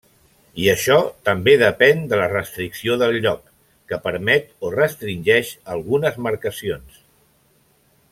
I això també depèn de la restricció del lloc, que permet o restringeix algunes marcacions.